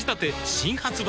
新発売